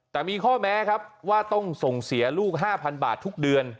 แต่มีข้อแม้ครับว่าต้องส่งเสียลูก๕๐๐บาททุกเดือน